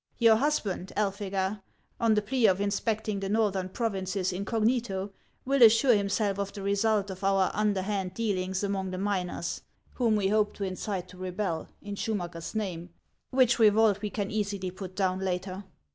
Your husband, Elphega, on the plea of inspecting the northern provinces incognito, will assure himself of the result of our underhand deal ings among the miners, whom we hope to incite to rebel, in Schumacker's name, which revolt we can easily put HANS OF ICELAND. 85 down later.